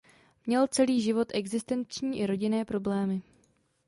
Měl celý život existenční i rodinné problémy.